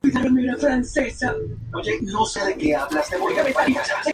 El gobierno federal tiene tres poderes: el ejecutivo, el legislativo y el judicial.